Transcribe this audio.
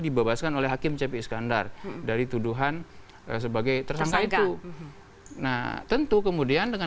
dibebaskan oleh hakim cp iskandar dari tuduhan sebagai tersangka itu nah tentu kemudian dengan